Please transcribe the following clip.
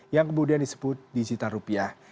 yang kemudian disebut digital rupiah